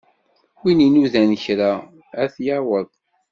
Wi inudan kra, ad t-yaweḍ.